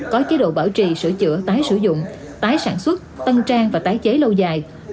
có chế độ bảo trì sửa chữa tái sử dụng tái sản xuất tân trang và tái chế lâu dài